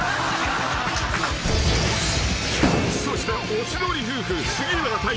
［そしておしどり夫婦杉浦太陽。